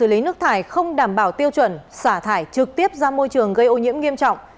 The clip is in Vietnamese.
lý nước thải không đảm bảo tiêu chuẩn xả thải trực tiếp ra môi trường gây ô nhiễm nghiêm trọng